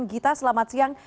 gita selamat siang